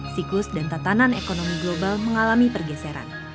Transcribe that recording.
siklus dan tatanan ekonomi global mengalami pergeseran